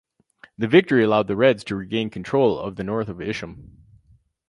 The victory allowed the Reds to regain control of the north of Ishim.